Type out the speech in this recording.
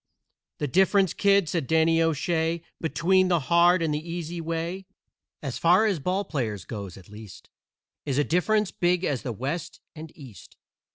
"The difference, kid," said Danny O'Shay, "Between the hard and the easy way, As far as ball players goes, at least, Is a difference big as the West and East.